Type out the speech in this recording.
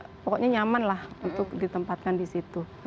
dan saya rasa pokoknya nyaman lah untuk ditempatkan di situ